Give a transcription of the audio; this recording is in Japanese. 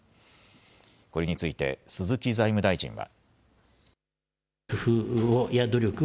これについて鈴木財務大臣は。